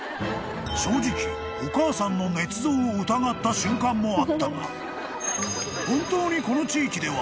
［正直お母さんの捏造を疑った瞬間もあったが本当にこの地域では］